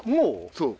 そう。